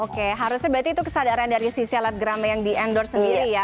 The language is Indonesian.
oke harusnya berarti itu kesadaran dari si selebgram yang di endorse sendiri ya